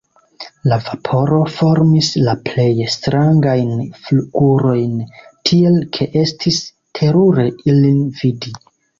La vaporo formis la plej strangajn flgurojn, tiel ke estis terure ilin vidi.